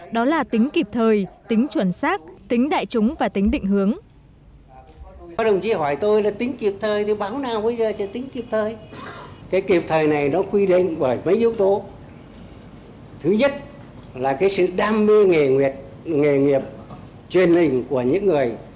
đó là tính kịp thời tính chuẩn xác tính đại chúng và tính định hướng